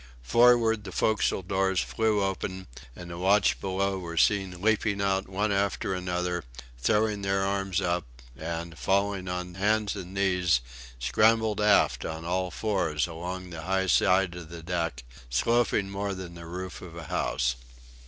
Forward the forecastle doors flew open, and the watch below were seen leaping out one after another, throwing their arms up; and, falling on hands and knees, scrambled aft on all fours along the high side of the deck, sloping more than the roof of a house.